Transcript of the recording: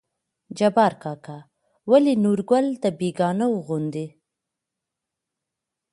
جبار کاکا: ولې نورګله د بيګانه وو غوندې